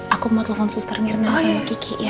aku mau telepon suster nirna sama kiki ya